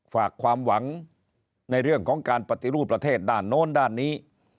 ฝากความหวังในเรื่องของการปฏิรูปประเทศด้านโน้นด้านนี้